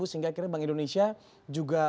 sehingga akhirnya bank indonesia juga